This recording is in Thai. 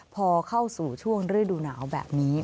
พอเข้าสู่ช่วงฤดูหนาวแบบนี้